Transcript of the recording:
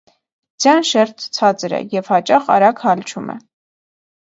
Ձյան շերտը ցածր է և հաճախ արագ հալչում է։